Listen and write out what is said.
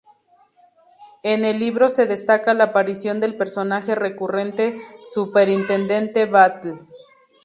En el libro se destaca la aparición del personaje recurrente Superintendente Battle.